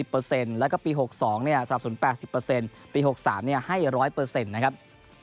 ปี๖๐แล้วก็ปี๖๒เนี่ยสนับสนุน๘๐ปี๖๓เนี่ยให้ร้อยเปอร์เซ็นต์นะครับ